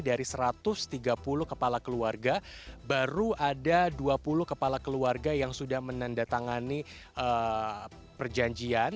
dari satu ratus tiga puluh kepala keluarga baru ada dua puluh kepala keluarga yang sudah menandatangani perjanjian